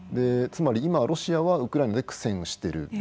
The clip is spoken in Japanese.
つまり今ロシアはウクライナで苦戦をしてる。